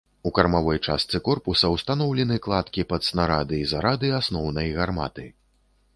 У кармавой частцы корпуса ўстаноўлены кладкі пад снарады і зарады асноўнай гарматы.